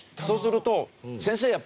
そうすると先生